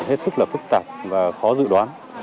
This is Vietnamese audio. hết sức là phức tạp và khó dự đoán